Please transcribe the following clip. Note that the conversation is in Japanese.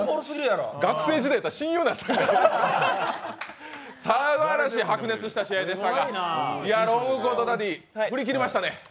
学生時代やったら親友になってる、さぞかし白熱した試合でしたがロングコートダディ、振り切りましたね。